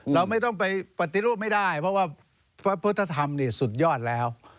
เราไม่ต้องไปปฏิรูปไม่ได้เพราะว่าพระพุทธธรรมสุดยอดแล้ว